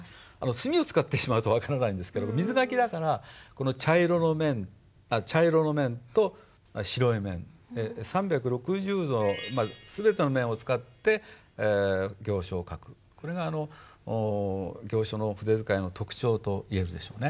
墨を使ってしまうと分からないんですけど水書きだから茶色の面と白い面３６０度全ての面を使って行書を書くこれが行書の筆使いの特徴といえるでしょうね。